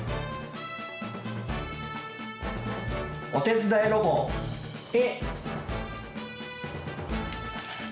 おてつだいロボ「え」。